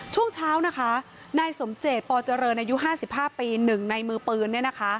ช่วงเช้านะคะนายสมเจตปเจริญอายุ๕๕ปี๑ในมือปืน